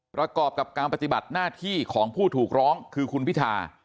ประกอบกับการปฏิบัติหน้าที่ของผู้ถูกร้องคือคุณพิธา